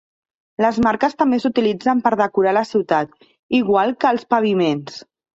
Les marques també s'utilitzen per decorar la ciutat, igual que als paviments.